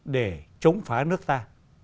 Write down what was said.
để chống phá nước ta